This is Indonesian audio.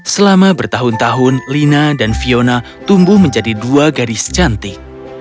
selama bertahun tahun lina dan fiona tumbuh menjadi dua gadis cantik